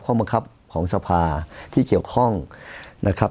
ข้อบังคับของสภาที่เกี่ยวข้องนะครับ